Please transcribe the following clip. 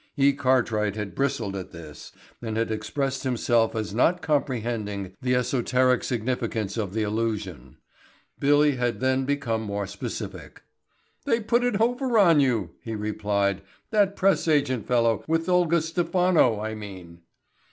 E. Cartwright had bristled at this and had expressed himself as not comprehending the esoteric significance of the allusion. Billy had then become more specific. "They put it over on you," he replied. "That press agent fellow with Olga Stephano, I mean."